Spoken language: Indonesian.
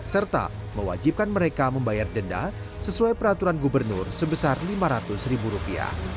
serta mewajibkan mereka membayar denda sesuai peraturan gubernur sebesar lima ratus ribu rupiah